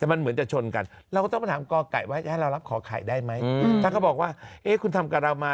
เราต้องไม่เอา